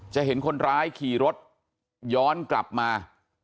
จะเห็นคนร้ายขี่รถย้อนกลับมา